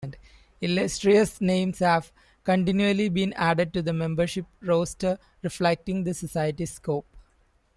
Illustrious names have continually been added to the membership roster, reflecting the society's scope.